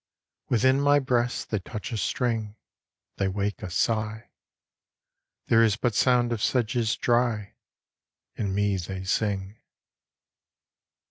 Within my breast they touch a string, They wake a sigh. There is but sound of sedges dry; In me they sing.